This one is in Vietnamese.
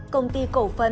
công ty cổ phân